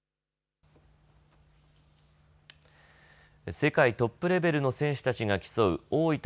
世界トップレベルの選手たちが競う大分